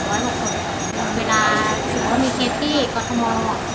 ก็มีเวลาสมมุติมีเคทล์ที่กละหัว